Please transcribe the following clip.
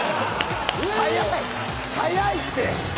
早いって。